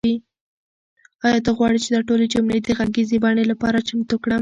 آیا ته غواړې چې دا ټولې جملې د غږیزې بڼې لپاره چمتو کړم؟